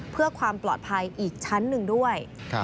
เพื่อความปลอดภัยอีกชั้นหนึ่งด้วย